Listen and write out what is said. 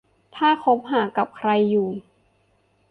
ถ้าคบหากับใครอยู่